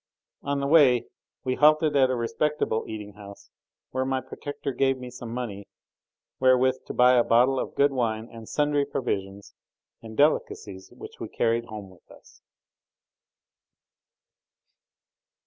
On the way we halted at a respectable eating house, where my protector gave me some money wherewith to buy a bottle of good wine and sundry provisions and delicacies which we carried home with us.